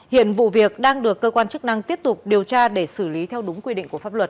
hiện vụ việc đang được cơ quan chức năng tiếp tục điều tra để xử lý theo đúng quy định của pháp luật